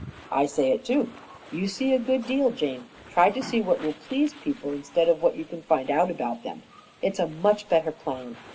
"I say it too. You see a good deal, Jane. Try to see what will please people instead of what you can find out about them. It's a much better plan.